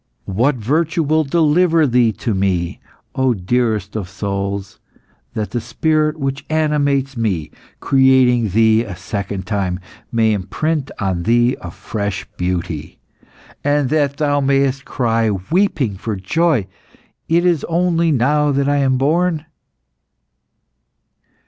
What virtue will deliver thee to me, O dearest of souls, that the spirit which animates me, creating thee a second time, may imprint on thee a fresh beauty, and that thou mayest cry, weeping for joy, 'It is only now that I am born'?